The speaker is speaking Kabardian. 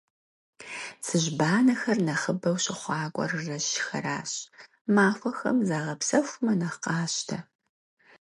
Цыжьбанэхэр нэхъыбэу щыхъуакӏуэр жэщхэращ, махуэхэм загъэпсэхумэ нэхъ къащтэ.